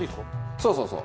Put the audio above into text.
そうそうそう。